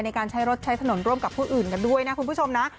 ในการใช้รถใช้ถนนร่วมกับผู้อื่นกันด้วยนะคุณผู้ชมนะ